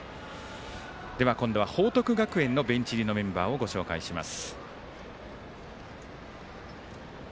では、今度は報徳学園のベンチ入りのメンバーご紹介します。